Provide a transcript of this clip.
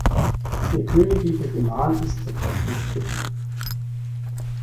Ihr königlicher Gemahl ist etwas umstritten.